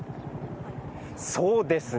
そうですね。